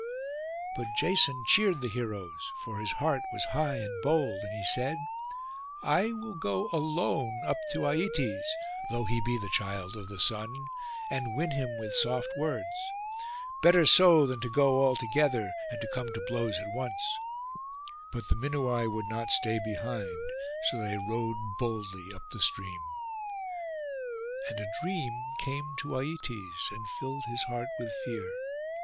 But Jason cheered the heroes, for his heart was high and bold; and he said, 'I will go alone up to Aietes, though he be the child of the Sun, and win him with soft words. Better so than to go altogether, and to come to blows at once.' But the Minuai would not stay behind, so they rowed boldly up the stream. And a dream came to Aietes, and filled his heart with fear.